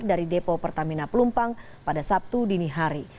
dari depo pertamina pelumpang pada sabtu dini hari